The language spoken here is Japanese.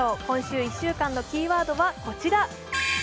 今週１週間のキーワードはこちら。